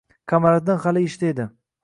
Qamariddin hali ishda edi